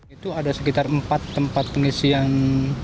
itu ada sekitar empat tempat pengisian